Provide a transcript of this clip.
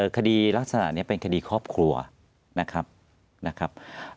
คดีลักษณะนี้เป็นคดีครอบครัวนะครับ